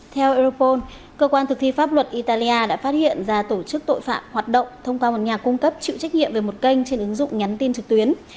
theo europol cơ quan thực thi pháp luật italia đã phát hiện ra tổ chức tội phạm hoạt động thông qua một nhà cung cấp chịu trách nhiệm về một kênh trên ứng dụng nhắn tin trực tuyến